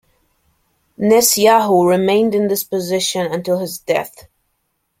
Nessyahu remained in this position until his death.